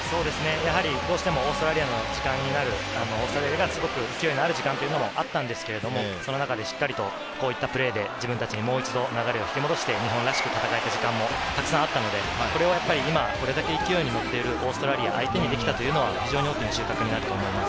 どうしてもオーストラリアの時間になる、勢いのある時間があったんですけれど、その中でしっかりとこういったプレーで自分達に流れを引き戻して、日本らしく戦えた時間もたくさんあったので、これだけ勢いに乗っているオーストラリアを相手にできたというのは収穫だったと思います。